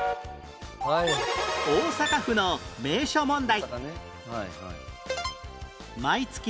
大阪府の名所問題